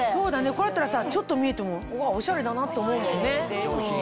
これだったらさちょっと見えてもオシャレだなって思うもんね。